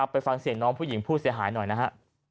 ไปฟังเสียงน้องผู้หญิงผู้เสียหายหน่อยนะฮะ